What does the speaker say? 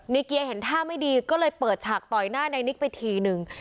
เกียร์เห็นท่าไม่ดีก็เลยเปิดฉากต่อยหน้าในนิกไปทีนึง